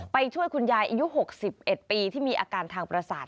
ช่วยคุณยายอายุ๖๑ปีที่มีอาการทางประสาท